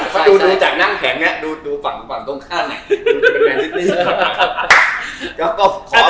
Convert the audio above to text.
ถ้าดูจากนั่งแข็งดูฝั่งตรงข้างหน่อยดูเป็นแบรนด์ซิตตี้